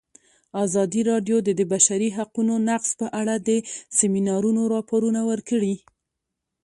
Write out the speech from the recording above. ازادي راډیو د د بشري حقونو نقض په اړه د سیمینارونو راپورونه ورکړي.